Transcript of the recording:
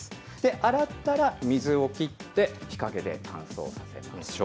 洗ったら、水を切って、日陰で乾燥させましょう。